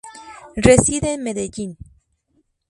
Reside en Medellín.